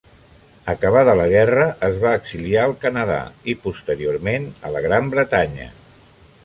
Acabada la guerra es va exiliar al Canadà i, posteriorment, a la Gran Bretanya.